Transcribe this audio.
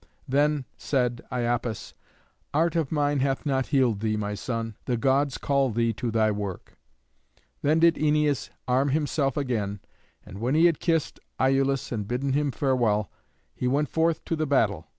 Then said Iapis, "Art of mine hath not healed thee, my son. The Gods call thee to thy work." Then did Æneas arm himself again, and when he had kissed Iülus and bidden him farewell, he went forth to the battle.